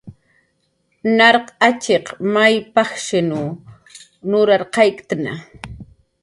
Narq atx'is may pajshiw nurarqayktna